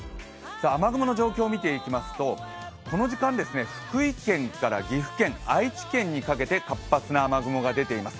雨雲の状況を見ていきますとこの時間、福井県から福井県から岐阜県、愛知県にかけて活発な雨雲が出ています。